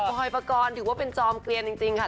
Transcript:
อยปกรณ์ถือว่าเป็นจอมเกลียนจริงค่ะ